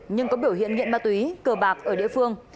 nhưng có biểu hiện nghiện ma túy cờ bạc ở địa phương